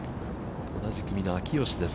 同じ組の秋吉です。